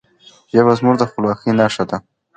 ژبه زموږ د خپلواکی نښه ده.